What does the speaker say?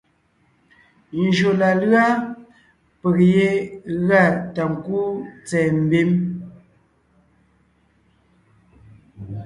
Njÿó la lʉ́a peg yé gʉa ta ńkúu tsɛ̀ɛ mbím,